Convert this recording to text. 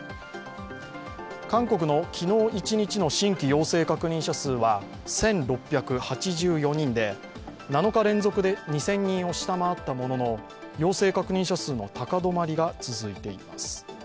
韓国の昨日一日の新規陽性確認者数は１６８４人で７日連続で２０００人を下回ったものの陽性確認者数の高止まりが続いています。